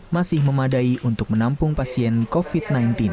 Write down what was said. masih memadai untuk menampung pasien covid sembilan belas